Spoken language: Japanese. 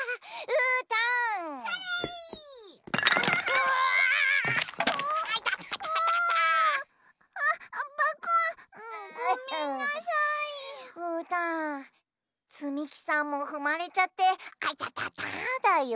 うーたんつみきさんもふまれちゃってあいたただよ。